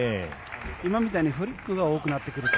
今みたいにフリックが多くなってくると。